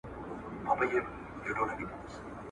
چی څرگندي بې عقلۍ مي د ځوانۍ سي !.